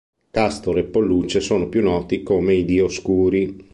Castore e Polluce sono più noti come i Dioscuri.